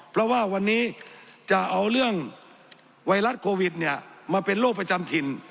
เพราะว่าวันนี้จะเอาเรื่องไวรัสโควิดมาเป็นโรคประจำถิ่น